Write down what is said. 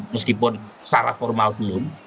meskipun secara formal belum